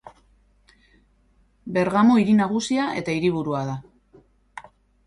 Bergamo hiri nagusia eta hiriburua da.